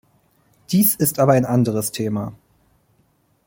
Dies ist aber ein anderes Thema.